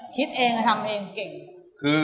คิดเองทำเองเก่ง